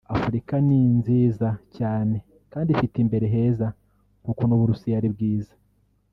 Afurika ni nziza cyane kandi ifite imbere heza nk’uko n’u Burusiya ari bwiza